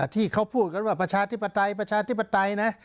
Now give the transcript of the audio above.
ที่เขาพูดกันว่าประชาธิปไตยนะ